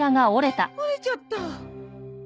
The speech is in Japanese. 折れちゃった。